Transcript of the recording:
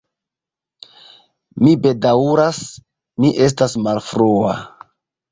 Mi bedaŭras, mi estas malfrua.